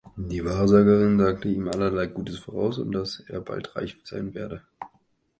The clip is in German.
Die Wahrsagerin sagt ihm allerlei Gutes voraus und dass er bald reich sein werde.